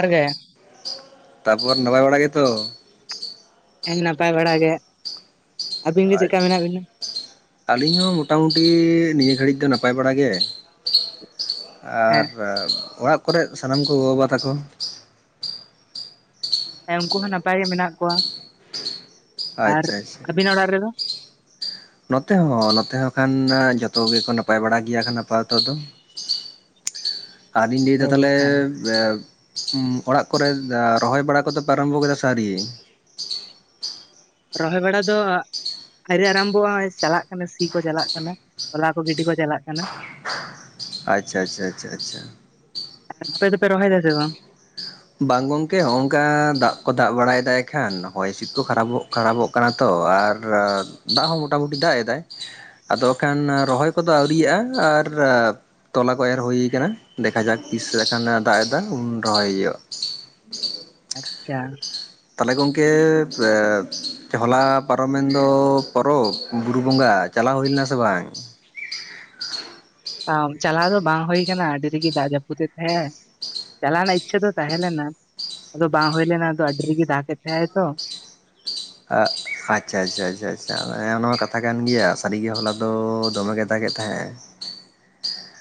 ᱟᱨ ᱜᱮ᱾ ᱛᱟᱯᱚᱨ ᱱᱟᱯᱟᱭ ᱵᱟᱲᱟ ᱜᱮᱛᱚ? ᱦᱮᱸ ᱱᱟᱯᱟᱭ ᱵᱟᱲᱟᱜᱮ᱾ ᱟᱪᱪᱷᱟ ᱟᱹᱞᱤᱧ ᱦᱚᱸ ᱢᱚᱴᱟᱢᱩᱴᱤ ᱱᱤᱭᱟᱹ ᱜᱷᱟᱹᱲᱤᱡ ᱫᱚ ᱱᱟᱯᱟᱭ ᱵᱟᱲᱟ ᱜᱮ᱾ ᱟᱨ ᱦᱮᱸ ᱚᱲᱟᱜ ᱠᱚᱨᱮᱜ ᱥᱟᱱᱟᱢ ᱠᱚ ᱜᱚ ᱵᱟᱵᱟ ᱛᱟᱠᱚ? ᱦᱮᱸ ᱩᱱᱠᱩ ᱦᱚᱸ ᱱᱟᱯᱟᱭ ᱜᱮ ᱢᱮᱱᱟᱜ ᱠᱚᱣᱟ ᱟᱨ ᱟᱪᱪᱷᱟ ᱟᱪᱪᱷᱟ᱾ ᱟᱹᱵᱤᱱᱟᱜ ᱚᱲᱟᱜ ᱨᱮᱫᱚ? ᱱᱚᱛᱮ ᱦᱚᱸ ᱱᱚᱛᱮ ᱦᱚᱸ ᱟᱠᱷᱟᱱ ᱡᱚᱛᱚ ᱜᱮᱠᱚ ᱱᱟᱯᱟᱭ ᱵᱟᱲᱟ ᱜᱮᱭᱟ ᱠᱷᱟᱱ ᱟᱯᱟᱚᱛᱚ ᱫᱚ᱾ ᱟᱨ ᱤᱧ ᱞᱟᱹᱭ ᱚ ᱫᱟ ᱛᱟᱦᱚᱞᱮ ᱦᱮᱸ ᱩᱸᱜ ᱚᱲᱟᱜ ᱠᱚᱨᱮᱫ ᱨᱚᱦᱚᱭ ᱵᱟᱲᱟ ᱠᱚᱫᱚ ᱟᱨᱚᱢᱵᱚ ᱠᱮᱫᱟ ᱥᱮ ᱟᱹᱣᱨᱤ? ᱨᱚᱦᱚᱭ ᱵᱟᱲᱟ ᱫᱚ ᱟᱹᱣᱨᱤ ᱟᱨᱟᱢᱵᱷᱚᱜᱼᱟ ᱱᱚ ᱪᱟᱞᱟᱜ ᱠᱟᱱᱟ ᱥᱤ ᱠᱚ ᱪᱟᱞᱟᱜ ᱠᱟᱱᱟ ᱛᱚᱞᱟ ᱠᱚ ᱜᱤᱰᱤ ᱠᱚ ᱪᱟᱞᱟᱜ ᱠᱟᱱᱟ᱾ ᱟᱪᱪᱷᱟ ᱟᱪᱪᱷᱟ ᱟᱪᱪᱷᱟ ᱟᱪᱪᱷᱟ᱾ ᱟᱯᱮ ᱫᱚ ᱯᱮ ᱨᱚᱦᱚᱭ ᱫᱟ ᱥᱮ ᱵᱟᱝ? ᱵᱟᱝ ᱜᱚᱝᱠᱮ ᱦᱚᱝᱠᱟ ᱫᱟᱜ ᱠᱚ ᱫᱟᱜ ᱵᱟᱲᱟᱭᱮᱫᱟᱭ ᱠᱷᱟᱱ ᱦᱚᱭ ᱦᱤᱸᱥᱤᱫ ᱠᱚ ᱠᱷᱟᱨᱟᱵᱚᱜ ᱠᱷᱟᱨᱟᱵᱚᱜ ᱠᱟᱱᱟ ᱛᱚ ᱟᱨ ᱫᱟᱜ ᱦᱚᱸ ᱢᱳᱴᱟᱢᱩᱴᱤ ᱫᱟᱜ ᱮᱫᱟᱭ᱾ ᱟᱫᱚ ᱟᱠᱷᱟᱱ ᱨᱚᱦᱚᱭ ᱠᱚᱫᱚ ᱟᱹᱣᱨᱤᱭᱟᱜ-ᱟ ᱟᱨ ᱛᱚᱞᱟ ᱠᱚ ᱮᱨ ᱦᱩᱭ ᱠᱟᱱᱟ ᱫᱮᱠᱷᱟ ᱡᱟᱠ ᱛᱤᱥ ᱞᱮᱠᱷᱟᱱ ᱫᱟᱜ ᱮ ᱫᱟᱜ ᱮᱫᱟ ᱩᱱᱤ ᱨᱚᱦᱚᱭ ᱦᱩᱭᱩᱜ-ᱟ᱾ [unintelligible] ᱪᱷᱟ᱾ ᱛᱟᱦᱚᱞᱮ ᱜᱚᱢᱠᱮ ᱦᱚᱞᱟ ᱯᱟᱨᱚᱢᱮᱱᱫᱚ ᱯᱚᱨᱚᱵᱽ ᱵᱩᱨᱩ ᱵᱚᱸᱜᱟ ᱪᱟᱞᱟᱣ ᱦᱩᱭ ᱞᱮᱱᱟ ᱥᱮ ᱵᱟᱝ? ᱪᱟᱞᱟᱣ ᱫᱚ ᱵᱟᱝ ᱦᱩᱭ ᱠᱟᱱᱟ ᱟᱹᱰᱤ ᱨᱟᱜᱮ ᱫᱟᱜ ᱡᱟᱹᱯᱩᱫ ᱛᱟᱦᱮᱫ ᱮ, ᱪᱟᱞᱟᱣ ᱨᱮᱱᱟᱜ ᱤᱪᱪᱷᱟ ᱫᱚ ᱛᱟᱦᱮᱸᱞᱮᱱᱟ ᱟᱫᱚ ᱵᱟ ᱵᱟᱝ ᱦᱳᱭᱱᱟ ᱟᱫᱚ ᱟᱹᱰᱤᱨᱟᱜᱤ ᱫᱟᱜᱛᱮ ᱛᱟᱦᱮᱸᱱᱟᱭ ᱛᱚ ᱟᱜ ᱟᱪᱪᱷᱟ ᱟᱪᱪᱷᱟ ᱟᱪᱪᱷᱟ ᱟᱪᱪᱷᱟ ᱮᱸ ᱱᱚᱣᱟ ᱠᱟᱛᱷᱟ ᱠᱟᱱ ᱜᱮᱭᱟ ᱥᱟᱹᱨᱤᱜᱮ ᱦᱚᱞᱟ ᱫᱚ ᱫᱚᱢᱮ ᱜᱮ ᱫᱟᱜᱮ ᱛᱟᱦᱮᱸᱜ-ᱮ᱾ [inaudible]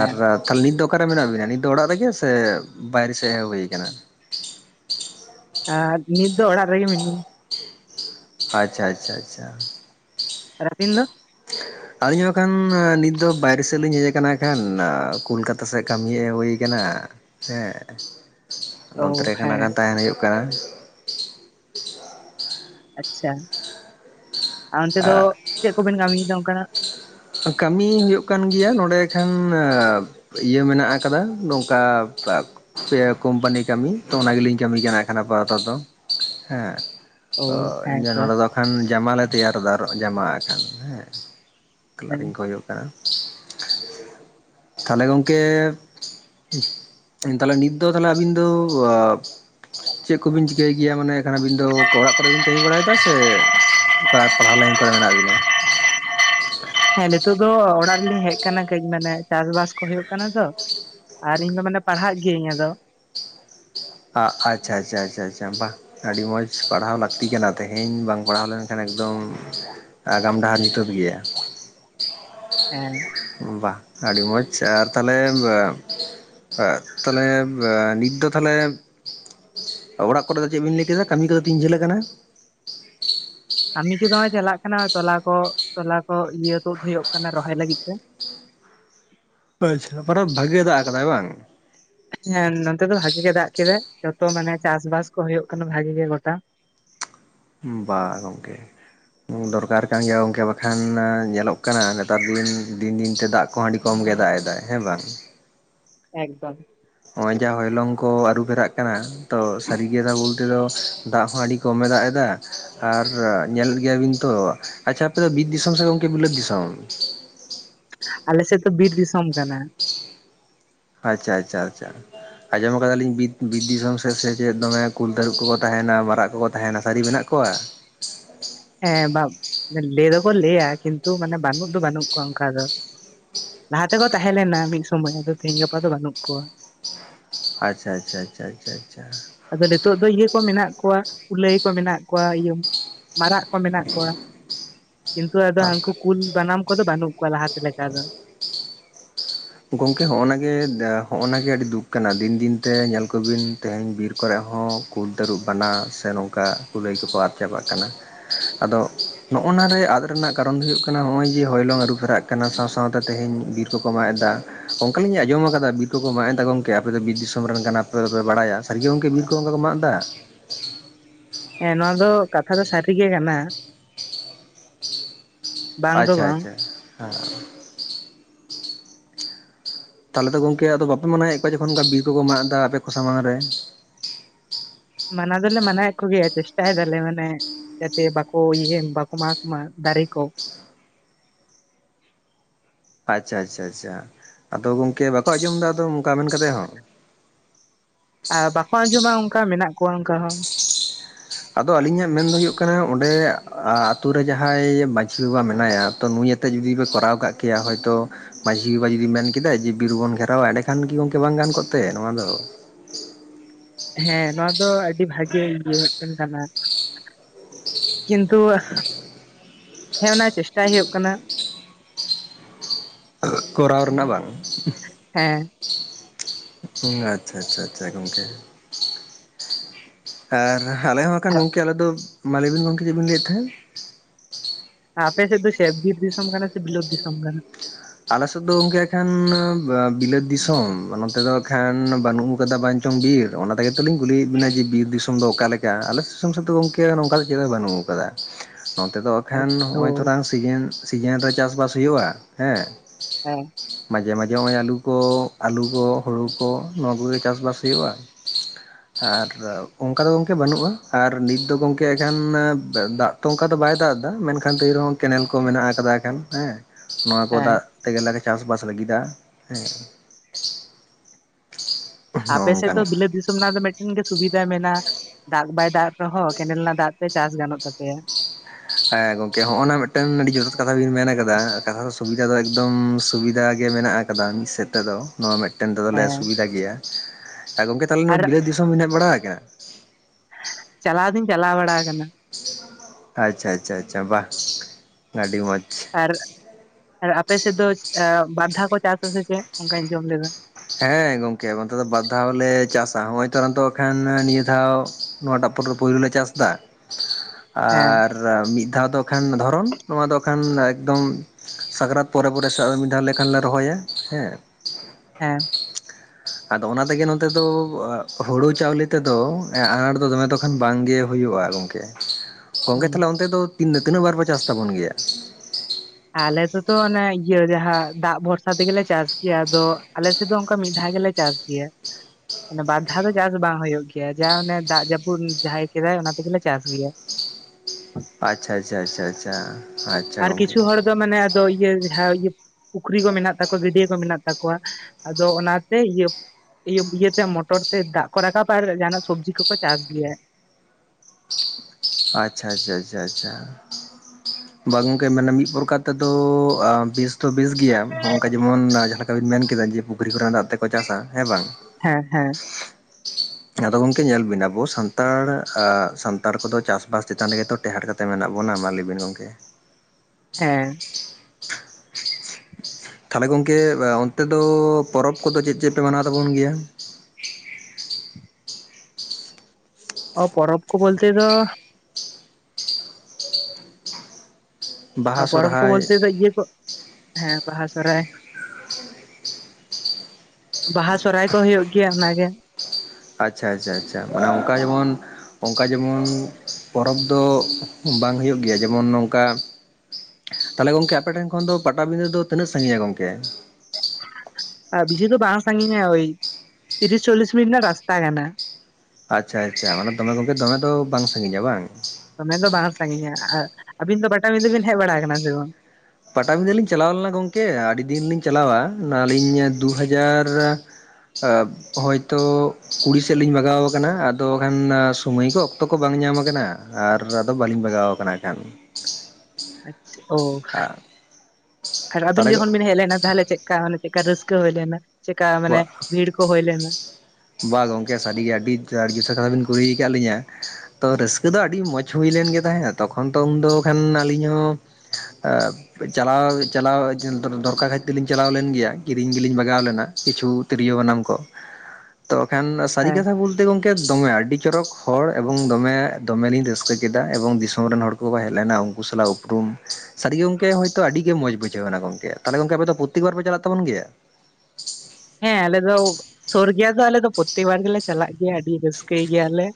ᱟᱨ ᱛᱟᱦᱚᱞᱮ ᱱᱤᱛ ᱫᱚ ᱚᱠᱟᱨᱮ ᱢᱮᱱᱟᱜ ᱵᱤᱱᱟ ᱱᱤᱛ ᱫᱚ ᱚᱲᱟᱜ ᱨᱮᱜᱮ ᱥᱮ ᱵᱟᱭᱨᱮ ᱥᱮᱫ ᱦᱮᱡ ᱦᱩᱭ ᱠᱟᱱᱟ? ᱟᱨ ᱱᱤᱫ ᱫᱚ ᱚᱲᱟᱜ ᱨᱮᱜᱤ ᱢᱤᱱᱤᱧᱟ᱾ ᱟᱪᱪᱷᱟ ᱟᱪᱪᱷᱟ ᱟᱪᱪᱷᱟ ᱟᱪᱪᱷᱟ᱾ ᱟᱨ ᱟᱵᱤᱱ ᱫᱚ? ᱦ [inaudible] ᱟᱹᱞᱤᱧ ᱦᱚᱸ ᱟᱠᱷᱟᱱ ᱱᱤᱛ ᱫᱚ ᱵᱟᱭᱨᱮ ᱥᱮᱫ ᱞᱤᱧ ᱦᱮᱡ ᱟᱠᱟᱱᱟᱱ ᱠᱷᱟᱱ ᱟᱜ ᱠᱳᱞᱠᱟᱛᱟ ᱥᱮᱫ ᱠᱟᱹᱢᱤ ᱦᱮᱡ ᱦᱩᱭ ᱠᱟᱱᱟ, ᱦᱮᱸ ᱚ ᱱᱚᱛᱮᱨᱮ ᱟᱠᱷᱟᱱ ᱦᱮᱸ ᱦᱟᱠᱟᱱ ᱛᱟᱦᱮᱸᱱ ᱦᱩᱭᱩᱜ ᱠᱟᱱᱟ᱾ ᱟᱪᱪᱷᱟ ᱟᱨ ᱚᱱᱛᱮ ᱫᱚ ᱪᱮᱫ ᱠᱚᱵᱮᱱ ᱠᱟᱹᱢᱤ ᱡᱚᱝ ᱠᱟᱱᱟ? ᱠᱟᱹᱢᱤ ᱦᱩᱭᱩᱜ ᱠᱟᱱ ᱜᱮᱭᱟ ᱱᱚᱸᱰᱮ ᱠᱷᱟᱱ ᱤᱭᱟᱹ ᱢᱮᱱᱟᱜ ᱟᱠᱟᱫᱟ ᱱᱚᱝᱠᱟ [unintelligible] ᱠᱳᱢᱯᱟᱱᱤ ᱠᱟᱹᱢᱤ ᱛᱚ ᱚᱱᱟ ᱜᱮᱞᱤᱧ ᱠᱟᱹᱢᱤ ᱠᱟᱱᱟ ᱦᱟᱠᱷᱟᱱ ᱟᱯᱟᱛᱚ ᱛᱚ ᱫᱚ ᱦᱮᱸ ᱚ ᱧᱚ ᱱᱚᱸᱰᱚ ᱫᱚ ᱠᱷᱟᱱ ᱡᱟᱢᱟᱞᱮ ᱛᱮᱭᱟᱨᱫᱟ ᱟᱨ ᱡᱟᱢᱟ ᱦᱟᱠᱷᱟᱱ ᱦᱮᱸ ᱦᱮᱸ ᱠᱟᱞᱟᱨᱤᱝ ᱠᱚ ᱦᱩᱭᱩᱜ ᱠᱟᱱᱟ ᱛᱟᱦᱚᱞᱮ ᱜᱚᱝᱠᱮ ᱛᱟᱦᱚᱞᱮ ᱱᱤᱛ ᱫᱚ ᱛᱟᱦᱚᱞᱮ ᱟᱵᱤᱱ ᱫᱚ ᱟ ᱪᱮᱫ ᱠᱚᱵᱤᱱ ᱪᱤᱠᱟᱹᱭ ᱜᱮᱭᱟ ᱢᱟᱱᱮ ᱮᱠᱷᱟᱱ ᱟᱵᱤᱱ ᱫᱚ ᱚᱲᱟᱜ ᱠᱚᱨᱮ ᱵᱤᱱ ᱠᱟᱹᱢᱤ ᱵᱟᱲᱟᱭ ᱫᱟ ᱥᱮ ᱠᱚᱲᱟ ᱯᱟᱲᱦᱟᱣ ᱞᱟᱭᱤᱱ ᱠᱚᱨᱮ ᱢᱮᱱᱟᱜ ᱵᱤᱱᱟ? ᱦᱮᱸ ᱱᱤᱛᱳᱜ ᱫᱚ ᱚᱲᱟᱜ ᱨᱮᱞᱤᱧ ᱦᱮᱡ ᱠᱟᱱᱟ ᱠᱟᱺᱡ ᱢᱟᱱᱮ ᱪᱟᱥᱵᱟᱥ ᱠᱚ ᱦᱩᱭᱩᱜ ᱠᱟᱱᱟ ᱛᱚ᱾ ᱟᱨ ᱤᱧ ᱫᱚ ᱢᱟᱱᱮ ᱯᱟᱲᱦᱟᱜ ᱜᱤᱭᱟᱹᱧ ᱟᱫᱚ᱾ ᱟ, ᱟᱪᱪᱷᱟ ᱟᱪᱪᱷᱟ ᱟᱪᱪᱷᱟ ᱟᱪᱪᱷᱟ ᱟᱪᱪᱷᱟ, ᱵᱟ᱾ ᱟᱹᱰᱤ ᱢᱚᱡᱽ ᱯᱟᱲᱦᱟᱣ ᱞᱟᱹᱠᱛᱤ ᱠᱟᱱᱟ ᱛᱮᱦᱮᱧ ᱵᱟᱝ ᱯᱟᱲᱦᱟᱣ ᱞᱮᱱᱠᱷᱟᱱ ᱮᱠᱫᱚᱢ ᱟᱜᱟᱢ ᱰᱟᱦᱟᱨ ᱧᱩᱛᱟᱹᱛ ᱜᱮᱭᱟ ᱦᱮᱸ ᱵᱟ᱾ ᱟᱹᱰᱤ ᱢᱚᱡᱽ ᱟᱨ ᱛᱟᱞᱦᱮ, ᱛᱟᱞᱦᱮ ᱱᱤᱛ ᱫᱚ ᱛᱟᱞᱦᱮ ᱚᱲᱟᱜ ᱠᱚᱨᱮ ᱫᱚ ᱪᱮᱫ ᱵᱤᱱ ᱞᱟᱹᱭ ᱠᱮᱫᱟ ᱠᱟᱹᱢᱤ ᱠᱚᱫᱚ ᱛᱤᱱ ᱡᱷᱟᱹᱞ ᱠᱟᱱᱟ? ᱠᱟᱹᱢᱤ ᱠᱚ ᱫᱚ ᱦᱚᱸᱜ-ᱚᱭ ᱪᱟᱞᱟᱜ ᱠᱟᱱᱟ ᱛᱚᱞᱟ ᱠᱚ, ᱛᱚᱞᱟ ᱠᱚ ᱤᱭᱟᱹ ᱛᱩᱫ ᱦᱩᱭᱩᱜ ᱠᱟᱱᱟ ᱨᱚᱦᱚᱭ ᱞᱟᱹᱜᱤᱫ ᱛᱮ᱾ ᱟᱪᱪᱷᱟ, ᱯᱟᱨᱟ ᱵᱷᱟᱜᱮ ᱫᱟᱜ ᱠᱟᱫᱟᱭ ᱵᱟᱝ? ᱦᱮᱸ ᱱᱚᱛᱮ ᱫᱚ ᱵᱷᱟᱜᱤ ᱜᱮ ᱫᱟᱜ ᱠᱮᱫᱟᱭ᱾ ᱡᱚᱛᱚ ᱢᱟᱱᱮ ᱪᱟᱥᱵᱟᱥ ᱠᱚ ᱦᱩᱭᱩᱜ ᱠᱟᱱᱟ ᱵᱷᱟᱜᱤ ᱜᱮ ᱜᱚᱴᱟ᱾ ᱵᱟ ᱜᱚᱝᱠᱮ᱾ ᱫᱚᱨᱠᱟᱨ ᱠᱟᱱ ᱜᱮᱭᱟ ᱜᱚᱝᱠᱮ ᱵᱟᱠᱷᱟᱱ ᱧᱮᱞᱚᱜ ᱠᱟᱱᱟ ᱱᱮᱛᱟᱨ ᱫᱤᱱ, ᱫᱤᱱ ᱫᱤᱱ ᱛᱮ ᱫᱟᱜ ᱠᱚᱦᱚᱸ ᱟᱹᱰᱤ ᱠᱚᱢ ᱜᱮ ᱫᱟᱜ ᱮᱟᱭ ᱦᱮᱸ ᱵᱟᱝ᱾ ᱮᱠᱫᱚᱢ᱾ ᱦᱚᱸᱜ-ᱚᱭ ᱡᱟ ᱦᱚᱭᱞᱚᱝ ᱠᱚ ᱟᱹᱨᱩ ᱯᱷᱮᱨᱟᱜ ᱠᱟᱱᱟ, ᱛᱚ ᱥᱟᱹᱨᱤ ᱠᱟᱛᱷᱟ ᱵᱚᱞᱛᱮ ᱫᱚ ᱫᱟᱜ ᱦᱚᱸ ᱟᱹᱰᱤ ᱠᱚᱢᱮ ᱫᱟᱜ ᱮᱫᱟ᱾ ᱟᱨ ᱧᱮᱞᱮᱫ ᱜᱮᱭᱟᱵᱤᱱ ᱛᱚ, ᱟᱪᱪᱷᱟ ᱟᱯᱮ ᱫᱚ ᱵᱤᱨ ᱫᱤᱥᱚᱢ ᱥᱮ ᱜᱚᱝᱠᱮ ᱵᱤᱞᱟᱹᱛ ᱫᱤᱥᱚᱢ? ᱟᱞᱮ ᱥᱮᱫ ᱫᱚ ᱵᱤᱨ ᱫᱤᱥᱚᱢ ᱠᱟᱱᱟ᱾ ᱟᱪᱪᱷᱟ ᱟᱪᱪᱷᱟ ᱟᱪᱪᱷᱟ᱾ ᱟᱸᱡᱚᱢ ᱟᱠᱟᱫᱟᱞᱤᱧ ᱵᱤᱨ ᱫᱤᱥᱚᱢ ᱥᱮᱫ ᱥᱮ ᱪᱮᱫ ᱫᱚᱢᱮ ᱠᱩᱞ ᱛᱟᱹᱨᱩᱵ ᱠᱚᱠᱚ ᱛᱟᱸᱦᱮᱱᱟ, ᱢᱟᱨᱟᱜ ᱠᱚᱠᱚ ᱛᱟᱸᱦᱮᱱᱟ, ᱥᱟᱨᱤ ᱢᱮᱱᱟᱜ ᱠᱚᱣᱟ? ᱦᱮᱸ ᱵᱟ, ᱞᱟᱹᱭ ᱫᱚᱠᱚ ᱞᱟᱹᱭᱟ ᱠᱤᱱᱛᱩ ᱢᱟᱱᱮ ᱵᱟᱹᱱᱩᱜ ᱫᱚ ᱵᱟᱹᱱᱩᱜ ᱠᱚᱣᱟ ᱚᱝᱠᱟ ᱫᱚ᱾ ᱞᱟᱦᱟ ᱛᱮᱠᱚ ᱛᱟᱦᱮᱸ ᱞᱮᱱᱟ, ᱢᱤᱫ ᱥᱚᱢᱚᱭ ᱟᱫᱚ ᱛᱮᱦᱤᱧ ᱜᱟᱯᱟ ᱫᱚ ᱵᱟᱹᱱᱩᱜ ᱠᱚᱣᱟ᱾ ᱟᱪᱪᱷᱟ ᱟᱪᱪᱷᱟ ᱟᱪᱪᱷᱟ ᱟᱪᱪᱷᱟ ᱟᱪᱪᱷᱟ᱾ ᱟᱫᱚ ᱱᱤᱛᱳᱜ ᱫᱚ ᱤᱭᱟᱹ ᱠᱚ ᱢᱮᱱᱟᱜ ᱠᱚᱣᱟ ᱠᱩᱞᱟᱹᱭ ᱠᱚ ᱢᱮᱱᱟᱜ ᱠᱚᱣᱟ, ᱤᱭᱟᱹ ᱢᱟᱨᱟᱜ ᱠᱚ ᱢᱮᱱᱟᱜ ᱠᱚᱣᱟ, ᱠᱤᱱᱛᱩ ᱟᱫᱚ ᱦᱟᱹᱝᱠᱩ ᱠᱩᱞ, ᱵᱟᱱᱟᱢ ᱠᱚᱫᱚ ᱵᱟᱹᱱᱩᱜ ᱠᱚᱣᱟ ᱞᱟᱦᱟᱛᱮ ᱞᱮᱠᱟ ᱫᱚ᱾ ᱜᱚᱝᱠᱮ, ᱦᱚᱸᱜ-ᱚᱱᱟ ᱜᱮ, ᱦᱚᱸᱜ-ᱚᱱᱟ ᱜᱮ ᱟᱹᱰᱤ ᱫᱩᱠ ᱠᱟᱱᱟ ᱫᱤᱱ ᱫᱤᱱᱛᱮ ᱧᱮᱞ ᱠᱚᱵᱤᱱ ᱛᱮᱦᱮᱧ ᱵᱤᱨ ᱠᱚᱨᱮ ᱦᱚᱸ ᱠᱩᱞ, ᱛᱟᱹᱨᱩᱵ, ᱵᱟᱱᱟ ᱥᱮ ᱱᱚᱝᱠᱟ ᱠᱩᱞᱟᱹᱭ ᱠᱚᱠᱚ ᱟᱫ ᱪᱟᱵᱟᱜ ᱠᱟᱱᱟ᱾ ᱟᱫᱚ ᱱᱚᱜ-ᱚᱱᱟ ᱨᱮ ᱟᱫ ᱨᱮᱱᱟᱜ ᱠᱟᱨᱚᱱ ᱫᱚ ᱦᱩᱭᱩᱜ ᱠᱟᱱᱟ, ᱦᱚᱸᱜ-ᱚᱭ ᱡᱮ ᱦᱚᱭᱞᱚᱝ ᱟᱹᱨᱩ ᱯᱷᱮᱨᱟᱜ ᱠᱟᱱᱟ, ᱥᱟᱶ ᱥᱟᱶᱛᱮ ᱛᱮᱦᱮᱧ ᱵᱤᱨ ᱠᱚᱠᱚ ᱢᱟᱜ ᱮᱫᱟ᱾ ᱚᱝᱠᱟᱞᱤᱧ ᱟᱸᱡᱚᱢ ᱠᱟᱫᱟ ᱵᱤᱨ ᱠᱚᱠᱚ ᱢᱟᱜ ᱮᱫᱟ ᱜᱚᱝᱠᱮ, ᱟᱯᱮ ᱫᱚ ᱵᱤᱨ ᱫᱤᱥᱚᱢ ᱨᱮᱱ ᱠᱟᱱᱟ ᱯᱮ, ᱟᱯᱮ ᱫᱚᱯᱮ ᱵᱟᱲᱟᱭᱟ᱾ ᱥᱟᱹᱨᱤ ᱜᱮ ᱜᱚᱝᱠᱮ ᱵᱤᱨᱠᱚ ᱚᱝᱠᱟ ᱠᱚ ᱢᱟᱜ ᱫᱟ? ᱦᱮᱸ ᱱᱚᱣᱟ ᱫᱚ ᱠᱟᱛᱷᱟ ᱫᱚ ᱥᱟᱹᱨᱤ ᱜᱮ ᱠᱟᱱᱟ᱾ ᱵᱟᱝ ᱫᱚ ᱟᱪᱪᱷᱟ ᱵᱟᱝ ᱟᱪᱪᱷᱟ, ᱦᱮᱸ᱾ ᱛᱟᱦᱞᱮ ᱫᱚ ᱜᱚᱝᱠᱮ ᱟᱫᱚ ᱵᱟᱯᱮ ᱢᱟᱱᱟᱭᱮᱜ ᱠᱚᱣᱟ, ᱡᱚᱠᱷᱚᱱ ᱚᱝᱠᱟ ᱵᱤᱨ ᱠᱚᱠᱚ ᱢᱟᱜ ᱫᱟ ᱟᱯᱮ ᱠᱚ ᱥᱟᱢᱟᱝ ᱨᱮ? ᱢᱟᱱᱟ ᱫᱚᱞᱮ ᱢᱟᱱᱟᱭᱮᱫ ᱠᱚᱜᱮᱭᱟ, ᱪᱮᱥᱴᱟᱭ ᱫᱟᱞᱮ ᱢᱟᱱᱮ ᱡᱟᱛᱮ ᱵᱟᱠᱚ ᱤᱭᱟᱹ, ᱦᱮᱸ ᱵᱟᱠᱚ ᱢᱟᱜᱽ ᱢᱟ ᱫᱟᱨᱮ ᱠᱚ᱾ ᱟᱪᱪᱷᱟ ᱟᱪᱪᱷᱟ ᱟᱪᱪᱷᱟ, ᱟᱫᱚ ᱜᱚᱝᱠᱮ ᱵᱟᱠᱚ ᱟᱸᱡᱚᱢᱫᱟ ᱟᱫᱚ ᱚᱝᱠᱟ ᱢᱮᱱ ᱠᱟᱛᱮᱜ ᱦᱚᱸ? ᱟᱨ ᱵᱟᱠᱚ ᱟᱸᱡᱚᱢᱟ ᱚᱝᱠᱟ ᱢᱮᱱᱟᱜ ᱠᱚᱣᱟ ᱚᱝᱠᱟ ᱦᱚᱸ᱾ ᱟᱫᱚ ᱟᱹᱞᱤᱧᱟᱜ ᱢᱮᱱᱫᱚ ᱦᱩᱭᱩᱜ ᱠᱟᱱᱟ, ᱚᱸᱰᱮ ᱟᱛᱩ ᱨᱮ ᱡᱟ ᱡᱟᱦᱟᱸᱭ ᱢᱟᱹᱡᱷᱤ ᱵᱟᱵᱟ ᱢᱮᱱᱟᱭᱟ, ᱛᱚ ᱱᱩᱭ ᱟᱛᱮᱜ ᱡᱩᱫᱤ ᱯᱮ ᱠᱚᱨᱟᱣ ᱠᱟᱜ ᱠᱮᱭᱟ ᱦᱚᱭᱛᱚ ᱢᱟᱹᱡᱷᱤ ᱵᱟᱵᱟ ᱡᱩᱫᱤ ᱢᱮᱱ ᱠᱮᱫᱟᱭ, ᱡᱮ ᱵᱤᱨ ᱵᱚᱱ ᱜᱷᱮᱨᱟᱣ-ᱟ ᱮᱸᱰᱮᱠᱷᱟᱱ ᱠᱤ ᱜᱚᱢᱠᱮ ᱵᱟᱝ ᱜᱟᱱ ᱠᱚᱜᱛᱮ ᱱᱚᱣᱟ ᱫᱚ? ᱦᱮᱸ ᱱᱚᱣᱟ ᱫᱚ ᱟᱹᱰᱤ ᱵᱷᱟᱜᱮ ᱤᱭᱟᱹ ᱢᱤᱫᱴᱮᱱ ᱠᱟᱱᱟ᱾ ᱠᱤᱱᱛᱩ ᱦᱮᱸ ᱚᱱᱟ ᱪᱮᱥᱴᱟᱭ ᱦᱩᱭᱩᱜ ᱠᱟᱱᱟ᱾ ᱠᱚᱨᱟᱣ ᱨᱮᱱᱟᱜ ᱵᱟᱝ? ᱦᱮᱸ᱾ ᱩᱸ ᱟᱪᱪᱷᱟ ᱟᱪᱪᱷᱟ ᱟᱪᱪᱷᱟ ᱜᱚᱝᱠᱮ᱾ ᱟᱨ ᱟᱞᱮ ᱦᱚᱸ ᱦᱟᱜ ᱠᱷᱟᱱ ᱜᱚᱝᱠᱮ ᱟᱞᱮ ᱫᱚ, ᱢᱟ ᱞᱟᱹᱭᱵᱤᱱ ᱜᱚᱢᱠᱮ ᱪᱮᱜ ᱵᱤᱱ ᱞᱟᱹᱭᱮᱫ ᱛᱟᱦᱮᱸᱫ᱾ ᱟᱯᱮ ᱥᱮᱫ ᱫᱚ ᱪᱮᱫ ᱵᱤᱨ ᱫᱤᱥᱚᱢ ᱠᱟᱱᱟ᱾ ᱥᱮ ᱵᱤᱞᱟᱹᱛ ᱫᱤᱥᱚᱢ ᱠᱟᱱᱟ [inaudible] ᱟᱞᱮᱥᱮᱫ ᱫᱚ ᱜᱚᱝᱠᱮ ᱮᱠᱷᱟᱱ ᱵᱤᱞᱟᱹᱛ ᱫᱤᱥᱚᱢ᱾ ᱱᱚᱛᱮ ᱫᱚ ᱮᱠᱷᱟᱱ ᱵᱟᱹᱱᱩᱜ ᱟᱠᱟᱫᱟ, ᱵᱟᱧ ᱵᱤᱨ ᱚᱱᱟ ᱛᱮᱜᱮ ᱛᱩᱞᱤᱧ ᱠᱩᱞᱤᱭᱮᱜ ᱵᱤᱱᱟ᱾ ᱡᱮ ᱵᱤᱨ ᱫᱤᱥᱚᱢ ᱫᱚ ᱚᱠᱟᱞᱮᱠᱟ, ᱟᱞᱮ ᱫᱤᱥᱚᱢ ᱥᱮᱫ ᱫᱚ ᱜᱚᱝᱠᱮ ᱱᱚᱝᱠᱟ ᱫᱚ ᱪᱮᱫ ᱦᱚᱸ ᱵᱟᱹᱱᱩᱜ ᱟᱠᱟᱫᱟ᱾ ᱱᱚᱛᱮ ᱫᱚ ᱟᱠᱷᱟᱱ ᱚ ᱦᱚᱸᱜᱼᱚᱭ ᱛᱚᱨᱟᱝ ᱥᱤᱡᱤᱱ, ᱥᱤᱡᱤᱱ ᱨᱮ ᱪᱟᱥ ᱵᱟᱥ ᱦᱳᱭᱳᱜᱼᱟ ᱦᱮᱸ᱾ ᱦᱮᱸ᱾ ᱢᱟᱡᱮ ᱢᱟᱡᱮ ᱦᱚᱜᱼᱚᱭ ᱟᱹᱞᱩ ᱠᱚ, ᱟᱹᱞᱩ ᱠᱚ, ᱦᱳᱲᱳ ᱠᱚ, ᱱᱚᱣᱟ ᱠᱚᱜᱮ ᱪᱟᱥᱼᱵᱟᱥ ᱦᱳᱭᱳᱜᱼᱟ᱾ ᱟᱨ ᱚᱝᱠᱟ ᱫᱚ ᱜᱚᱝᱠᱮ ᱵᱟᱹᱱᱩᱜᱼᱟ, ᱟᱨ ᱱᱤᱛ ᱫᱚ ᱜᱚᱝᱠᱮ ᱮᱠᱷᱟᱱ ᱫᱟᱜ ᱛᱚ ᱚᱝᱠᱟ ᱫᱚ ᱵᱟᱭ ᱫᱟᱜ ᱫᱟ, ᱢᱮᱱᱠᱷᱟᱱ ᱛᱟᱹᱭ ᱨᱮᱦᱚᱸ ᱠᱮᱱᱮᱞ ᱠᱚ ᱢᱮᱱᱟᱜ ᱟᱠᱟᱫᱟ᱾ ᱟᱠᱷᱟᱱ ᱦᱮᱸ ᱱᱚᱣᱟ ᱠᱚ ᱦᱮᱸ ᱫᱟᱜ ᱛᱮᱜᱮᱞᱮ ᱪᱟᱥ ᱵᱟᱥ ᱞᱟᱹᱜᱤᱫᱟ ᱦᱮᱸ᱾ ᱟᱯᱮ ᱥᱮᱫ ᱫᱚ ᱱᱚᱝᱠᱟᱱ ᱵᱤᱞᱟᱹᱛ ᱫᱤᱥᱚᱢ ᱫᱤᱥᱚᱢ ᱨᱮᱱᱟᱜ ᱫᱚ ᱢᱤᱫᱴᱮᱱ ᱜᱮ ᱥᱩᱵᱤᱫᱟ ᱢᱮᱱᱟᱜ-ᱟ, ᱫᱟᱜ ᱵᱟᱭ ᱫᱟᱜ ᱨᱮᱦᱚᱸ ᱠᱮᱱᱮᱞ ᱨᱮᱱᱟᱜ ᱫᱟᱜ ᱛᱮ ᱪᱟᱥ ᱜᱟᱱᱚᱜ ᱛᱟᱯᱮᱭᱟ᱾ ᱦᱮᱸ ᱜᱚᱝᱠᱮ ᱦᱚᱸᱜᱼᱚᱱᱟ ᱢᱮᱜᱴᱮᱱ ᱟᱹᱰᱤ ᱡᱚᱛᱷᱟᱛ ᱠᱟᱛᱷᱟ ᱵᱤᱱ ᱢᱮᱱ ᱠᱟᱫᱟ, ᱠᱟᱛᱷᱟ ᱫᱚ ᱥᱩᱵᱤᱫᱟ ᱫᱚ ᱮᱠᱫᱚᱢ ᱥᱩᱵᱤᱫᱷᱟ ᱜᱮ ᱢᱮᱱᱟᱜ ᱟ ᱠᱟᱫᱟ ᱢᱤᱫ ᱥᱮᱫ ᱛᱮᱫᱚ᱾ ᱱᱚᱣᱟ ᱢᱮᱜᱴᱮᱱ ᱛᱮᱫᱚᱞᱮ ᱦᱮᱸ ᱥᱩᱵᱤᱫᱟ ᱜᱮᱭᱟ᱾ ᱟᱨ ᱜᱚᱝᱠᱮ ᱛᱟᱦᱚᱞᱮ ᱟᱨ ᱱᱚᱣᱟ ᱵᱤᱞᱟᱹᱛ ᱫᱤᱥᱚᱢ ᱵᱮᱱ ᱦᱮᱡ ᱵᱟᱲᱟ ᱟᱠᱟᱱᱟ? ᱪᱟᱞᱟᱣ ᱫᱩᱧ ᱪᱟᱞᱟᱣ ᱵᱟᱲᱟ ᱟᱠᱟᱱᱟ᱾ ᱟᱪᱪᱷᱟ ᱟᱪᱪᱷᱟ ᱟᱪᱷᱟ ᱵᱟᱦ ᱟᱹᱰᱤ ᱢᱚᱡᱽ᱾ ᱟᱨ, ᱟᱨ ᱟᱯᱮ ᱥᱮᱫ ᱫᱚ ᱵᱟᱨ ᱫᱷᱟᱣ ᱠᱚ ᱪᱟᱥ-ᱟᱥᱮ ᱪᱮᱫ ᱚᱝᱠᱟᱧ ᱟᱸᱡᱚᱢ ᱞᱮᱫᱟ? ᱦᱮᱸ ᱜᱚᱝᱠᱮ ᱚᱱᱛᱮ ᱫᱚ ᱵᱟᱨ ᱫᱷᱟᱣᱞᱮ ᱪᱟᱥᱟ, ᱦᱚᱸᱜᱼᱚᱭ [unintelligible] ᱠᱷᱟᱱ ᱱᱤᱭᱟᱹ ᱫᱷᱟᱣ ᱱᱚᱣᱟᱴᱟᱜ ᱯᱩᱨᱟᱹ ᱯᱳᱭᱞᱳ ᱞᱮ ᱪᱟᱥᱮᱫᱟ, ᱦᱮᱸ ᱟᱨ ᱨᱟ ᱢᱤᱫ ᱫᱷᱟᱣ ᱫᱚ ᱮᱠᱷᱟᱱ ᱫᱷᱚᱨᱚᱱ ᱱᱚᱣᱟ ᱫᱚ ᱮᱠᱷᱟᱱ ᱮᱠᱫᱚᱢ ᱥᱟᱠᱨᱟᱛ ᱯᱚᱨᱮ ᱯᱚᱨᱮ ᱥᱮᱫ ᱟᱨ ᱢᱤᱫ ᱫᱷᱟᱣ ᱞᱮᱠᱷᱟᱱ ᱞᱮ ᱨᱚᱦᱚᱭᱟ ᱦᱮᱸ᱾ ᱦᱮᱸ᱾ ᱟᱫᱚ ᱚᱱᱟ ᱛᱮᱜᱮ ᱱᱚᱛᱮ ᱫᱚ, ᱦᱩᱲᱩ ᱪᱟᱣᱞᱮ ᱛᱮᱫᱚ ᱟᱱᱟᱴ ᱫᱚ ᱫᱚᱢᱮ ᱛᱚ ᱠᱷᱟᱱ ᱵᱟᱝ ᱜᱮ ᱦᱩᱭᱩᱜᱼᱟ ᱜᱚᱝ ᱠᱮ, ᱜᱚᱝᱠᱮ ᱦᱩᱸ ᱛᱟᱦᱚᱞᱮ ᱚᱱᱛᱮ ᱫᱚ ᱛᱤᱱ ᱛᱤᱱᱟᱹᱜ ᱵᱟᱨ ᱯᱮ ᱪᱟᱥ ᱛᱟᱵᱚᱱ ᱜᱮᱭᱟ? ᱟᱞᱮ ᱛᱮ ᱛᱚ ᱚᱱᱮ ᱤᱭᱟᱹ ᱡᱟᱦᱟᱸ ᱫᱟᱜ ᱵᱷᱚᱨᱥᱟ ᱛᱮᱜᱮᱞᱮ ᱪᱟᱥ ᱜᱮᱭᱟ, ᱟᱫᱚ ᱟᱞᱮ ᱥᱮᱫ ᱫᱚ ᱚᱝᱠᱟ ᱢᱤᱫ ᱫᱷᱟᱣ ᱜᱮᱞᱮ ᱪᱟᱥ ᱜᱮᱭᱟ᱾ ᱚᱱᱟ ᱵᱟᱨ ᱫᱷᱟᱣ ᱫᱚ ᱪᱟᱥ ᱵᱟᱝ ᱦᱳᱭᱳᱜ ᱜᱮᱭᱟ ᱡᱟ ᱚᱱᱮ ᱫᱟᱜ ᱡᱟᱹᱯᱩᱫ ᱡᱟᱦᱟᱸᱭ ᱠᱮᱫᱟᱭ ᱚᱱᱟ ᱛᱮᱜᱮᱞᱮ ᱪᱟᱥ ᱜᱮᱭᱟ᱾ [unintelligible] ᱟᱪᱪᱷᱟ ᱟᱪᱪᱷᱟ ᱟᱪᱪᱷᱟ ᱟᱪᱪᱷᱟ, ᱟᱪᱪᱷᱟ ᱟᱨ ᱜᱚᱝᱠᱮ᱾ ᱠᱤᱪᱷᱩ ᱦᱚᱲ ᱫᱚ ᱢᱟᱱᱮ ᱟᱫᱚ ᱤᱭᱟᱹ ᱡᱟᱦᱟᱸ ᱤᱭᱟᱹ ᱯᱩᱠᱷᱨᱤ ᱠᱚ ᱢᱮᱱᱟᱜ ᱛᱟᱠᱚ, ᱜᱟᱹᱰᱤᱭᱟᱹ ᱠᱚ ᱢᱮᱱᱟᱜ ᱛᱟᱠᱚᱣᱟ, ᱟᱫᱚ ᱚᱱᱟ ᱛᱮ ᱤᱭᱟᱹ ᱤᱭᱟᱹ ᱤᱭᱟᱹ ᱛᱮ ᱢᱚᱴᱚᱨ ᱛᱮ ᱫᱟᱜ ᱠᱚ ᱨᱟᱠᱟᱵᱟ ᱟᱨ ᱡᱟᱦᱟᱸᱱᱟᱜ ᱥᱚᱵᱽᱡᱤ ᱠᱚᱠᱚ ᱪᱟᱥ ᱜᱮᱭᱟ᱾ ᱟᱪᱪᱷᱟ ᱟᱪᱪᱷᱟ ᱟᱪᱪᱷᱟ ᱟᱪᱪᱷᱟ᱾ ᱵᱟᱝ ᱜᱚᱝᱠᱮ ᱢᱟᱱᱮ ᱢᱤᱫ ᱯᱨᱚᱨᱠᱟᱨ ᱛᱮᱫᱚ ᱵᱮᱥ ᱛᱚ ᱵᱮᱥ ᱜᱮᱭᱟ ᱦᱚᱸᱜ-ᱚ ᱚᱝᱠᱟ ᱡᱮᱢᱚᱱ ᱡᱟᱦᱟᱸ ᱞᱮᱠᱟ ᱵᱤᱱ ᱢᱮᱱ ᱠᱮᱫᱟ ᱡᱮ ᱯᱩᱠᱷᱨᱤ ᱠᱚ ᱨᱮᱱᱟᱜ ᱫᱟᱜ ᱛᱮᱠᱚ ᱪᱟᱥᱟ, ᱦᱮᱸ ᱵᱟᱝ? ᱦᱮᱸ ᱦᱮᱸ᱾ ᱟᱫᱚ ᱜᱚᱝᱠᱮ ᱧᱮᱞ ᱵᱤᱱ ᱟᱵᱚ ᱥᱟᱱᱛᱟᱲ, ᱟᱻ ᱥᱟᱱᱛᱟᱲ ᱠᱚᱫᱚ ᱪᱟᱥ-ᱵᱟᱥ ᱪᱮᱛᱟᱱ ᱨᱮᱜᱮ ᱛᱚ ᱴᱮᱦᱟᱴ ᱠᱟᱛᱮ ᱢᱮᱱᱟᱜ ᱵᱚᱱᱟ ᱢᱟ ᱞᱟᱹᱭ ᱵᱤᱱ ᱜᱚᱝᱠᱮ᱾ ᱦᱮᱸ᱾ ᱛᱟᱦᱚᱞᱮ ᱜᱚᱝᱠᱮ ᱚᱱᱛᱮ ᱫᱚ ᱯᱚᱨᱚᱵᱽ ᱠᱚᱫᱚ ᱪᱮᱫ ᱪᱮᱫ ᱯᱮ ᱢᱟᱱᱟᱣ ᱛᱟᱵᱚᱱ ᱜᱮᱭᱟ? ᱚ, ᱯᱚᱨᱚᱵᱽ ᱠᱚ ᱵᱚᱞᱛᱮ ᱫᱚ [inaudible] ᱵᱟᱦᱟ ᱟᱨ ᱯᱚᱨᱚᱵᱽ ᱠᱚ ᱥᱚᱨᱦᱟᱭ ᱵᱚᱞᱛᱮ ᱫᱚ ᱤᱭᱟᱹ ᱠᱚ, ᱦᱮᱸ ᱵᱟᱦᱟ, ᱥᱚᱨᱦᱟᱭ᱾ ᱵᱟᱦᱟ, ᱥᱚᱨᱦᱟᱭ ᱠᱚ ᱦᱩᱭᱩᱜ ᱜᱮᱭᱟ ᱚᱱᱟ ᱜᱮ᱾ ᱟᱪᱪᱷᱟ ᱟᱪᱪᱷᱟ ᱟᱪᱪᱷᱟ ᱢᱟᱱᱮ ᱚᱝᱠᱟ ᱡᱮᱢᱚᱱ ᱚᱝᱠᱟ ᱡᱮᱢᱚᱱ ᱯᱚᱨᱚᱵᱽ ᱫᱚ ᱵᱟᱝ ᱦᱩᱭᱩᱜ ᱜᱮᱭᱟ ᱡᱮᱢᱚᱱ ᱱᱚᱝᱠᱟ᱾ ᱛᱟᱞᱦᱮ ᱜᱚᱝᱠᱮ ᱟᱯᱮ ᱴᱷᱮᱱ ᱠᱷᱚᱱ ᱫᱚ ᱯᱟᱴᱟᱵᱤᱸᱫᱷᱟᱹ ᱫᱚ ᱛᱤᱱᱟᱹᱜ ᱥᱟᱺᱜᱤᱧᱟ ᱜᱚᱝᱠᱮ? ᱟᱻ ᱵᱤᱥᱤ ᱫᱚ ᱵᱟᱝ ᱥᱟᱺᱜᱤᱧᱟ ᱳᱭ ᱛᱤᱨᱤᱥ ᱪᱚᱞᱞᱤᱥ ᱢᱤᱱᱤᱴ ᱨᱮᱱᱟᱜ ᱨᱟᱥᱛᱟ ᱠᱟᱱᱟ᱾ ᱟᱪᱪᱷᱟ ᱟᱪᱪᱷᱟ, ᱢᱟᱱᱮ ᱫᱚᱢᱮ ᱜᱚᱝᱠᱮ ᱫᱚᱢᱮ ᱫᱚ ᱵᱟᱝ ᱥᱟᱺᱜᱤᱧᱟ ᱵᱟᱝ? ᱫᱚᱢᱮ ᱫᱚ ᱵᱟᱝ ᱥᱟᱺᱜᱤᱧᱟ, ᱟᱨ ᱟᱹᱵᱤᱱ ᱫᱚ ᱯᱟᱴᱟᱵᱤᱸᱫᱷᱟᱹ ᱵᱤᱱ ᱦᱮᱡ ᱵᱟᱲᱟ ᱟᱠᱟᱱᱟ ᱥᱮ ᱵᱟᱝ? ᱯᱟᱴᱟᱵᱤᱸᱫᱟᱹ ᱞᱤᱧ ᱪᱟᱞᱟᱣ ᱞᱮᱱᱟ ᱜᱚᱢᱠᱮ ᱟᱹᱰᱤ ᱫᱤᱱ ᱞᱤᱧ ᱪᱟᱞᱟᱣᱟ ᱱᱟᱹᱞᱤᱧ ᱫᱩ ᱦᱟᱡᱟᱨ [unintelligible] ᱦᱳᱭᱛᱚ ᱠᱩᱲᱤ ᱥᱮᱫ ᱞᱤᱧ ᱵᱟᱜᱟᱣ ᱠᱟᱱᱟ, ᱟᱫᱚ ᱵᱟ ᱠᱷᱟᱱ ᱥᱚᱢᱚᱭ ᱠᱚ ᱚᱠᱛᱚ ᱠᱚ ᱵᱟᱝ ᱧᱟᱢ ᱠᱟᱱᱟ᱾ ᱟᱨ ᱟᱫᱚ ᱵᱟᱹᱞᱤᱧ ᱵᱟᱜᱟᱣ ᱟᱠᱟᱱᱟ ᱮᱠᱟᱞ᱾ ᱟᱪᱪᱷᱟ ᱚ, ᱟᱫᱚ ᱟᱹᱵᱤᱱ ᱛᱟᱦᱚᱞᱮ ᱡᱚᱠᱷᱚᱱ ᱵᱤᱱ ᱦᱮᱡ ᱞᱮᱱᱟ ᱛᱟᱦᱞᱮ ᱪᱮᱜ? ᱪᱮᱠᱟ ᱢᱟᱱᱮ, ᱪᱮᱜᱠᱟ ᱨᱟᱹᱥᱠᱟᱹ ᱦᱩᱭ ᱞᱮᱱᱟ, ᱪᱮᱜᱠᱟ ᱢᱟᱱᱮ ᱵᱷᱤᱲ ᱠᱚ ᱦᱩᱭ ᱞᱮᱱᱟ? ᱵᱟ, ᱜᱚᱝᱠᱮ ᱥᱟᱹᱨᱤᱜᱮ ᱟᱹᱰᱤ, ᱟᱹᱰᱤ ᱠᱟᱛᱷᱟ ᱵᱤᱱ ᱠᱩᱞᱤᱭ ᱟᱠᱟᱫ ᱞᱤᱧᱟᱹ᱾ ᱛᱚ ᱨᱟᱹᱥᱠᱟᱹ ᱫᱚ ᱟᱹᱰᱤ ᱢᱚᱸᱡᱽ ᱦᱩᱭ ᱞᱮᱱ ᱜᱮ ᱛᱟᱦᱮᱸᱫ, ᱛᱚᱠᱷᱚᱱ ᱛᱚ ᱩᱱ ᱫᱚ ᱠᱷᱟᱱ ᱟᱹᱞᱤᱧ ᱦᱚᱸ ᱟᱨ ᱪᱟᱞᱟᱣ, ᱪᱟᱞᱟᱣ ᱫᱚᱨᱠᱟᱨ ᱠᱷᱟᱹᱛᱤᱨ ᱛᱮᱞᱤᱧ ᱪᱟᱞᱟᱣ ᱞᱮᱱ ᱜᱮᱭᱟ, ᱠᱤᱨᱤᱧ ᱜᱮᱞᱤᱧ ᱵᱟᱜᱟᱣ ᱞᱮᱱᱟ, ᱠᱤᱪᱷᱩ ᱛᱤᱨᱤᱭᱳ ᱵᱟᱱᱟᱢ ᱠᱚ᱾ ᱛᱚ, ᱠᱷᱟᱱ ᱥᱟᱹᱨᱤ ᱦᱮᱸ ᱠᱟᱛᱷᱟ ᱵᱚᱞ ᱜᱚᱝᱠᱮ ᱫᱚᱢᱮ ᱟᱹᱰᱤ ᱪᱚᱨᱚᱠ ᱦᱚᱲ ᱮᱵᱚᱝ ᱫᱚᱢᱮ, ᱫᱚᱢᱮ ᱞᱤᱧ ᱨᱟᱹᱥᱠᱟᱹ ᱠᱮᱫᱟ, ᱮᱵᱚᱝ ᱫᱤᱥᱚᱢ ᱨᱮᱱ ᱦᱚᱲ ᱩᱝᱠᱩ ᱠᱚ ᱦᱮᱡ ᱞᱮᱱᱟ, ᱩᱝᱠᱩ ᱥᱟᱞᱟᱜ ᱩᱯᱨᱩᱢ ᱥᱟᱹᱨᱤᱜᱮ ᱜᱚᱝᱠᱮ ᱦᱚᱭᱛᱚ ᱟᱹᱰᱤ ᱜᱮ ᱢᱚᱸᱡᱽ ᱵᱩᱡᱷᱟᱹᱣᱱᱟ ᱜᱚᱝᱠᱮ᱾ ᱛᱟᱦᱞᱮ ᱜᱚᱝᱠᱮ ᱟᱯᱮ ᱫᱚ ᱯᱨᱚᱛᱛᱮᱠ ᱵᱟᱨᱯᱮ ᱪᱟᱞᱟᱜ ᱛᱟᱵᱚᱱ ᱜᱮᱭᱟ? ᱦᱮᱸ ᱟᱞᱮ ᱫᱚ, ᱥᱳᱨ ᱜᱮᱭᱟ ᱫᱚ ᱟᱞᱮ ᱫᱚ ᱯᱨᱚᱛᱤ ᱵᱟᱨ ᱜᱮᱞᱮ ᱪᱟᱞᱟᱜ ᱜᱮᱭᱟ ᱟᱹᱰᱤ ᱨᱟᱹᱥᱠᱟᱹᱭ ᱜᱮᱭᱟᱞᱮ᱾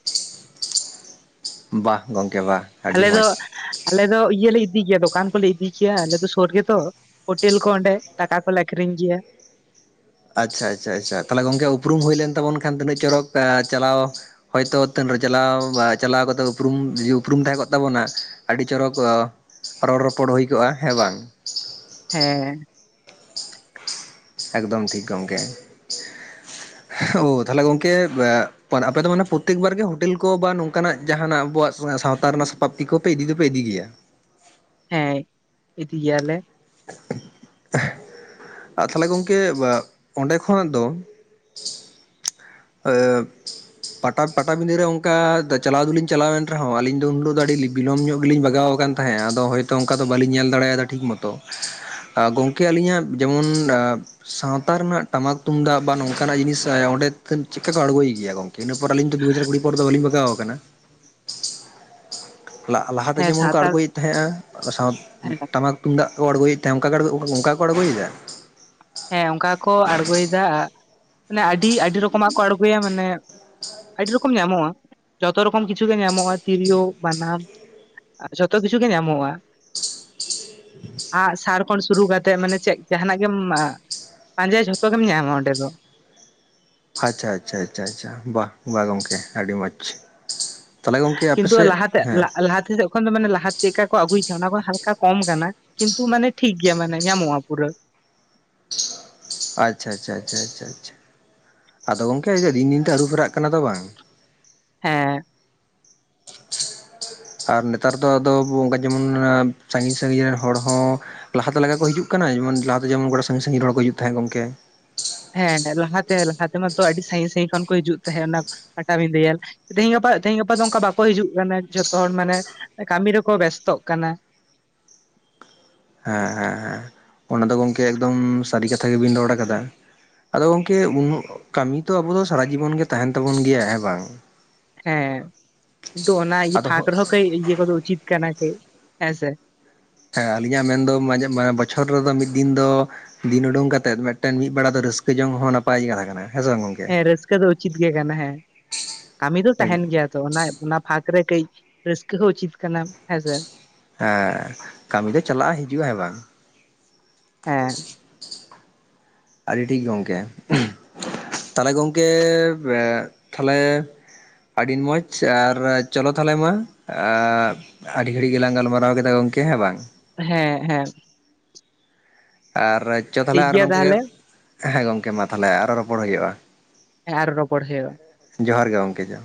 ᱵᱟᱦ ᱜᱚᱝᱠᱮ ᱵᱟᱦ᱾ ᱟᱹᱰᱤ ᱟᱞᱮ ᱫᱚ, ᱢᱚᱸᱡᱽ ᱟᱞᱮ ᱫᱚ ᱤᱭᱟᱹᱞᱮ ᱤᱫᱤ ᱜᱮᱭᱟ ᱫᱚᱠᱟᱱ ᱠᱚᱞᱮ ᱤᱫᱤ ᱜᱮᱭᱟ ᱟᱞᱮ ᱫᱚ ᱥᱩᱨ ᱜᱮᱫᱚ᱾ ᱦᱳᱴᱮᱞ ᱠᱚ ᱚᱸᱰᱮ ᱫᱟᱠᱟ ᱠᱚᱞᱮ ᱟᱠᱷᱨᱤᱧ ᱜᱮᱭᱟ᱾ ᱟᱪᱪᱷᱟ, ᱟᱪᱪᱷᱟ, ᱟᱪᱪᱷᱟ, ᱛᱟᱦᱞᱮ ᱜᱚᱝᱠᱮ ᱩᱯᱨᱩᱢ ᱦᱩᱭ ᱞᱮᱱ ᱛᱵᱚᱱ ᱠᱷᱟᱱ ᱛᱤᱱᱟᱹᱜ ᱪᱚᱨᱚᱠ ᱪᱟᱞᱟᱣ ᱦᱚᱭᱛᱳ ᱛᱟᱹᱱ ᱨᱮ ᱪᱟᱞᱟᱣ ᱵᱟ ᱪᱟᱞᱟᱣ ᱠᱟᱛᱮᱫ ᱩᱯᱨᱩᱢ ᱩᱯᱨᱩᱢ ᱛᱟᱦᱮᱸ ᱠᱚᱜ ᱛᱟᱵᱚᱱᱟ ᱟᱹᱰᱤ ᱪᱚᱨᱚᱠ ᱨᱚᱲ ᱨᱚᱯᱚᱲ ᱦᱩᱭ ᱠᱚᱜ-ᱟ ᱦᱮᱸ ᱵᱟᱝ? ᱦᱮᱸ᱾ ᱮᱠᱫᱚᱢ ᱴᱷᱤᱠ ᱜᱚᱝᱠᱮ᱾ [inaudible] ᱳᱻ ᱛᱟᱦᱞᱮ ᱜᱚᱝᱠᱮ ᱢᱟᱱᱮ ᱟᱯᱮ ᱫᱚ ᱢᱟᱱᱮ ᱯᱨᱚᱛᱮᱠ ᱵᱟᱨ ᱜᱮ ᱦᱳᱴᱮᱞ ᱠᱚ ᱵᱟ ᱱᱚᱝᱠᱟᱱᱟᱜ ᱡᱟᱦᱟᱱᱟᱜ ᱟᱵᱚᱣᱟᱜ ᱥᱟᱶ ᱛᱟᱨ ᱨᱮᱱᱟᱜ ᱥᱟᱯᱟᱯ ᱛᱤ ᱠᱚᱯᱮ ᱤᱫᱤ ᱫᱚᱯᱮ ᱤᱫᱤ ᱜᱮᱭᱟ? ᱦᱮᱸ, ᱤᱫᱤ ᱜᱮᱭᱟᱞᱮ᱾ ᱟᱨ ᱛᱟᱦᱞᱮ ᱜᱚᱝᱠᱮ ᱚᱸᱰᱮ ᱠᱷᱚᱱᱟᱜ ᱫᱚ [unintelligible] ᱯᱟᱴᱟ, ᱯᱟᱴᱟᱵᱤᱸᱫᱟᱹ ᱨᱮ ᱚᱝᱠᱟ ᱪᱟᱞᱟᱣ ᱫᱚᱞᱤᱧ ᱪᱟᱞᱟᱣᱮᱱ ᱨᱮᱦᱚᱸ, ᱟᱹᱞᱤᱧ ᱫᱚ ᱩᱱ ᱦᱤᱞᱳᱜ ᱫᱚ ᱟᱹᱰᱤ ᱵᱤᱞᱚᱢ ᱧᱚᱜ ᱜᱮᱞᱤᱧ ᱵᱟᱜᱟᱣ ᱠᱟᱱ ᱛᱟᱦᱮᱸᱜ, ᱟᱫᱚ ᱦᱚᱭᱛᱳ ᱚᱝᱠᱟ ᱫᱚ ᱵᱟᱹᱞᱤᱧ ᱧᱮᱞ ᱫᱟᱲᱮᱭᱟᱫᱟ ᱴᱷᱤᱠ ᱢᱚᱛᱚ᱾ ᱟᱸᱻ ᱜᱚᱝᱠᱮ ᱟᱹᱞᱤᱧᱟᱜ ᱡᱮᱢᱚᱱ ᱥᱟᱶᱛᱟ ᱨᱮᱱᱟᱜ ᱴᱟᱢᱟᱠ ᱛᱩᱢᱫᱟᱜ ᱵᱟ ᱱᱚᱝᱠᱟᱱᱟᱜ ᱡᱤᱱᱤᱥ ᱚᱸᱰᱮ ᱪᱮᱜᱠᱟ ᱠᱚ ᱟᱬᱜᱚᱭ ᱜᱮᱭᱟ ᱜᱚᱝᱠᱮ? ᱤᱱᱟᱹ ᱯᱚᱨ ᱟᱹᱞᱤᱧ ᱫᱚ ᱫᱩᱡᱟᱨ ᱠᱩᱲᱤ ᱯᱚᱨ ᱫᱚ ᱵᱟᱞᱤᱧ ᱵᱟᱜᱟᱣ ᱠᱟᱱᱟ᱾ ᱞᱟ-ᱞᱟᱦᱟᱛᱮ ᱦᱮᱸ ᱡᱮᱢᱚᱱ ᱠᱚ ᱥᱟᱱᱛᱟᱲ ᱟᱬᱜᱚᱭᱮᱫ ᱛᱟᱦᱮᱸᱜ-ᱟ ᱚᱱᱟ ᱥᱟᱶ ᱦᱮᱸ ᱴᱟᱢᱟᱠ ᱛᱩᱢᱫᱟᱜ ᱠᱚ ᱟᱬᱜᱳᱭᱮᱫ ᱛᱟᱦᱮᱸ ᱚᱱ- ᱚᱱᱠᱟ ᱠᱚ ᱟᱬᱜᱚᱭᱮᱫᱟ? ᱦᱮᱸ ᱚᱱᱠᱟ ᱠᱚ ᱟᱬᱜᱳ ᱭᱮᱫᱟ ᱢᱟᱱᱮ ᱟᱹᱰᱤ ᱟᱹᱰᱤ ᱨᱚᱠᱚᱢᱟᱜ ᱠᱚ ᱟᱬᱜᱚᱭᱟ ᱢᱟᱱᱮ ᱟᱹᱰᱤ ᱨᱚᱠᱚᱢ ᱧᱟᱢᱚᱜᱼᱟ ᱡᱚᱛᱚ ᱨᱚᱠᱚᱢ ᱠᱤᱪᱷᱩ ᱜᱮ ᱧᱟᱢᱚᱜᱼᱟ ᱛᱤᱨᱭᱳ, ᱵᱟᱱᱟᱢ᱾ ᱟᱨ ᱡᱷᱚᱛᱚ ᱠᱤᱪᱷᱩ ᱜᱮ ᱧᱟᱢᱚᱜᱼᱟ᱾ ᱟᱜ ᱥᱟᱨ ᱠᱷᱚᱱ ᱥᱩᱨᱩ ᱠᱟᱛᱮᱜ ᱢᱟᱱᱮ ᱪᱮᱫ ᱡᱟᱦᱱᱟᱜ ᱜᱮᱢ ᱯᱟᱸᱡᱟᱭ ᱡᱷᱚᱛᱚ ᱜᱮᱢ ᱧᱟᱢᱟ ᱚᱸᱰᱮ ᱫᱚ᱾ ᱟᱪᱪᱷᱟ, ᱪᱷᱟ, ᱪᱷᱟ, ᱪᱷᱟ, ᱵᱟᱦ, ᱵᱟᱦ ᱜᱚᱢᱠᱮ ᱟᱹᱰᱤ ᱢᱚᱡᱽ᱾ ᱠᱤᱱᱛᱩ ᱞᱟᱦᱟᱛᱮ, ᱞᱟᱦᱟ ᱛᱮ ᱞᱟᱦᱟ ᱛᱮ ᱫᱚ ᱮᱠᱷᱚᱱ ᱫᱚ ᱢᱟᱱᱮ ᱞᱟᱦᱟ ᱪᱮᱫ ᱞᱮᱠᱟ ᱠᱚ ᱟᱹᱜᱩᱭ ᱛᱟᱦᱮᱸᱫ ᱚᱱᱟ ᱦᱟᱞᱠᱟ ᱠᱚᱢ ᱠᱟᱱᱟ, ᱠᱤᱱᱛᱩ ᱢᱟᱱᱮ ᱴᱷᱤᱠ ᱜᱮᱭᱟ ᱢᱟᱱᱮ ᱧᱟᱢᱚᱜᱼᱟ ᱯᱩᱨᱟᱹ᱾ ᱟᱪᱪᱷᱟ, ᱪᱷᱟ, ᱪᱷᱟ, ᱪᱷᱟ ᱟᱫᱚ ᱜᱚᱝᱠᱮ ᱫᱤᱱ ᱫᱤᱱ ᱛᱮ ᱟᱹᱨᱩ ᱯᱷᱮᱨᱟᱜ ᱠᱟᱱᱟ ᱛᱚ ᱵᱟᱝ? ᱦᱮᱸ᱾ ᱟᱨ ᱱᱮᱛᱟᱨ ᱫᱚ ᱟᱫᱚ ᱚᱱᱠᱟ ᱡᱮᱢᱚᱱ ᱥᱟᱸᱜᱤᱧ ᱥᱟᱜᱤᱧ ᱨᱮᱱ ᱦᱚᱲ ᱦᱚᱸ ᱞᱟᱦᱟ ᱛᱮ ᱞᱮᱠᱟ ᱠᱚ ᱦᱤᱡᱩᱜ ᱠᱟᱱᱟ ᱡᱮᱢᱚᱱ ᱞᱟᱦᱟ ᱛᱮ ᱡᱮᱢᱚᱱ ᱥᱟᱸᱜᱤᱧ ᱦᱚᱲ ᱠᱚ ᱦᱤᱡᱩᱜ ᱛᱟᱦᱮᱸᱜ ᱜᱚᱢᱠᱮ? ᱦᱮᱸ ᱞᱟᱦᱟ ᱛᱮ ᱞᱟᱦᱟ ᱛᱮ ᱢᱟᱛᱚ ᱟᱹᱰᱤ ᱥᱟᱺᱜᱤᱧ ᱥᱟᱺᱜᱤᱧ ᱠᱷᱚᱱ ᱠᱚ ᱦᱤᱡᱩᱜ ᱛᱟᱦᱮᱸᱫ ᱚᱱᱟ ᱯᱟᱴᱟᱵᱤᱫᱟᱹ ᱧᱮᱞ᱾ ᱛᱮᱦᱤᱧ ᱜᱟᱯᱟ -ᱛᱮᱦᱤᱧ ᱜᱟᱯᱟ ᱫᱚ ᱚᱱᱠᱟ ᱵᱟᱠᱚ ᱦᱤᱡᱩᱜ ᱠᱟᱱᱟ ᱡᱷᱚᱛᱚ ᱦᱚᱲ ᱢᱟᱱᱮ ᱠᱟᱹᱢᱤ ᱨᱮᱠᱚ ᱵᱮᱥᱛᱚᱜ ᱠᱟᱱᱟ᱾ ᱦᱮᱸ, ᱦᱮᱸ, ᱦᱮᱸ ᱚᱱᱟ ᱫᱚ ᱜᱚᱝᱠᱮ ᱮᱠᱫᱚᱢ ᱥᱟᱹᱨᱤ ᱠᱟᱛᱷᱟ ᱜᱮᱵᱤᱱ ᱨᱚᱲ ᱠᱟᱫᱟ᱾ ᱟᱫᱚ ᱜᱚᱝᱠᱮ ᱩᱱᱟᱹᱜ ᱠᱟᱹᱢᱤ ᱛᱚ ᱟᱵᱚ ᱫᱚ ᱥᱟᱨᱟ ᱡᱤᱵᱚᱱ ᱜᱮ ᱛᱟᱦᱮᱱ ᱛᱟᱵᱚᱱ ᱜᱮᱭᱟ ᱦᱮᱸ ᱵᱟᱝ? ᱦᱮᱸ ᱠᱤᱱᱛᱩ ᱚᱱᱟ ᱯᱷᱟᱠ ᱟᱫᱚ ᱨᱮᱦᱚᱸ ᱠᱟᱹᱜ ᱤᱭᱟᱹ ᱠᱚᱫᱚ ᱩᱪᱤᱛ ᱠᱟᱱᱟ ᱠᱟᱱᱟ ᱦᱮᱸ ᱥᱮ? ᱦᱮᱸ ᱟᱹᱞᱤᱧᱟᱜ ᱢᱮᱱᱫᱚ ᱵᱚᱪᱷᱚᱨ ᱨᱮᱫᱚ ᱢᱤᱫ ᱫᱤᱱ ᱫᱚ ᱫᱤᱱ ᱩᱰᱩᱝ ᱠᱟᱛᱮᱜ ᱢᱤᱫᱴᱮᱱ ᱢᱤᱫ ᱵᱮᱲᱟ ᱫᱚ ᱨᱟᱹᱥᱠᱟᱹ ᱡᱚᱝ ᱦᱚᱸ ᱱᱟᱯᱟᱭ ᱜᱮ ᱠᱟᱛᱷᱟ ᱠᱟᱱᱟ ᱦᱮᱸ ᱥᱮ ᱵᱟᱝ ᱜᱚᱝᱠᱮ? ᱦᱮᱸ ᱨᱟᱹᱥᱠᱟᱹ ᱫᱚ ᱩᱪᱤᱛ ᱜᱮ ᱠᱟᱱᱟ ᱦᱮᱸ, ᱠᱟᱹᱢᱤ ᱫᱚ ᱛᱟᱦᱮᱱ ᱜᱮᱭᱟ᱾ ᱚᱱᱟ ᱚᱱᱟ ᱯᱷᱟᱠ ᱨᱮ ᱠᱟᱹᱡ ᱨᱟᱹᱥᱠᱟᱹ ᱦᱚᱸ ᱩᱪᱤᱛ ᱠᱟᱱᱟ ᱦᱮᱸᱥᱮ᱾ ᱦᱮᱸ ᱠᱟᱹᱢᱤ ᱫᱚ ᱪᱟᱞᱟᱜ ᱦᱤᱡᱩᱜ-ᱟ ᱦᱮᱸ ᱵᱟᱝ? ᱦᱮᱸ᱾ ᱟᱹᱰᱤ ᱴᱷᱤᱠ ᱜᱚᱢᱠᱮ, ᱛᱟᱦᱚᱞᱮ ᱜᱚᱢᱠᱮ ᱮᱜ ᱛᱟᱦᱞᱮ ᱟᱹᱰᱤ ᱢᱚᱡᱽ ᱟᱨ ᱪᱚᱞᱚ ᱛᱟᱦᱚᱞᱮ ᱢᱟ ᱟᱹᱰᱤ ᱜᱷᱟᱹᱲᱤᱡ ᱜᱮᱞᱟᱝ ᱜᱟᱞᱢᱟᱨᱟᱣ ᱠᱮᱫᱟ ᱜᱚᱝᱠᱮ ᱦᱮᱸ ᱵᱟᱝ? ᱦᱮᱸ, ᱦᱮᱸ᱾ ᱟᱨ ᱪᱚ ᱛᱟᱦᱚᱞᱮ ᱴᱷᱤᱠ ᱟᱨᱚ ᱜᱮᱭᱟ ᱱᱚᱝᱠᱟ ᱜᱮ, ᱦᱮᱸ ᱜᱚᱢᱠᱮ ᱢᱟ ᱛᱟᱦᱚᱞᱮ ᱟᱨᱚ ᱨᱚᱯᱚᱲ ᱦᱩᱭᱩᱜᱼᱟ᱾ ᱟᱨ ᱨᱚᱯᱚᱲ ᱦᱳᱭᱳᱜᱼᱟ᱾ ᱡᱚᱦᱟᱨ ᱜᱮ ᱜᱚᱢᱠᱮ ᱡᱚ